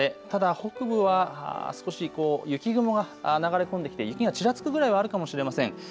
ただ北部は少し雪雲が流れ込んできて雪がちらつくぐらいはあるかもしれません。